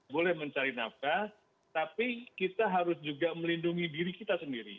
boleh mencari nafkah tapi kita harus juga melindungi diri kita sendiri